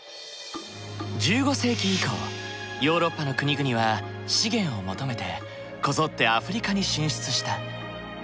１５世紀以降ヨーロッパの国々は資源を求めてこぞってアフリカに進出した。